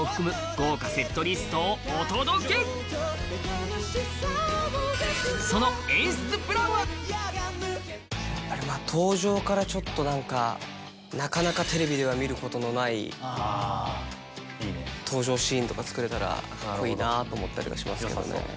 豪華セットリストをお届けその演出プランはなかなかテレビでは見ることのないああいいね登場シーンとか作れたらかっこいいなと思ったりはしますけどね